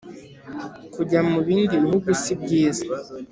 kujya mu bindi bihugu sibyiza